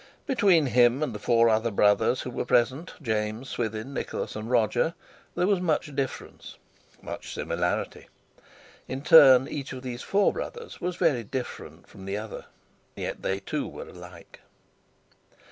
Between him and the four other brothers who were present, James, Swithin, Nicholas, and Roger, there was much difference, much similarity. In turn, each of these four brothers was very different from the other, yet they, too, were alike.